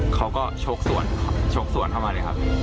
เขาก็โชคส่วนโชคส่วนเข้ามาเลยครับ